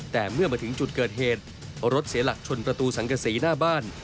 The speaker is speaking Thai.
แต่เมื่อมาถึงจุดเกิดเหตุรถเสียหลักชนประตูสังกษีหน้าบ้าน